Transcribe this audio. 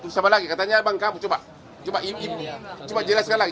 siapa lagi katanya bangka coba jelaskan lagi